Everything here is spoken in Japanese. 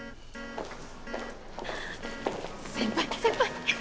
先輩先輩！